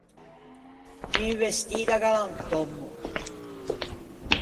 Un vestî da galantòmmo.